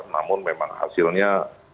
namun memang hasilnya